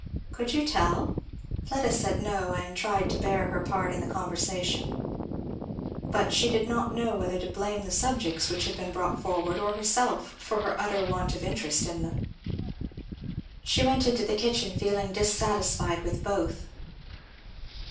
"Could you tell?" Fleda said no, and tried to bear her part in the conversation. But she did not know whether to blame the subjects which had been brought forward, or herself, for her utter want of interest in them. She went into the kitchen feeling dissatisfied with both.